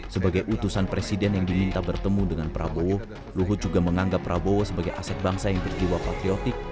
sebagai utusan presiden yang diminta bertemu dengan prabowo luhut juga menganggap prabowo sebagai aset bangsa yang berjiwa patriotik